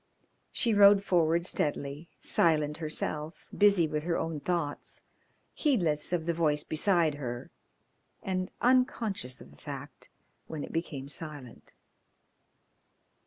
She rode forward steadily, silent herself, busy with her own thoughts, heedless of the voice beside her, and unconscious of the fact when it became silent.